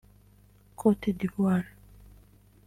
Cote d’Ivoire